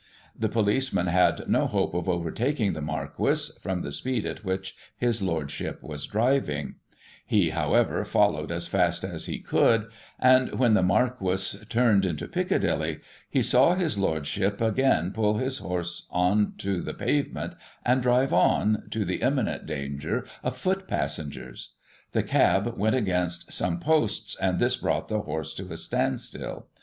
The policeman had no hope of overtaking the Marquis, from the speed at which his lordship was driving; he, however, followed as fast as he could, and. Digiti ized by Google 6o GOSSIP. [1838 when the Marquis turned into Piccadilly, he saw his lordship again pull his horse on the pavement, and drive on, to the imminent danger of foot passengers. The cab went against some posts, and this brought the horse to a standstill.